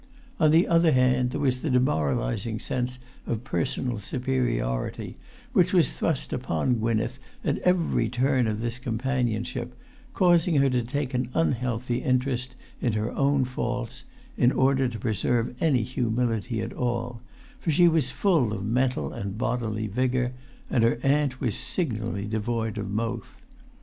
On the other hand, there was the demoralising sense of personal superiority, which was thrust upon Gwynneth at every turn of this companionship, causing her to take an unhealthy interest in her own faults, in order to preserve any humility at all; for she was full of mental and of bodily vigour, and her aunt was signally devoid of both.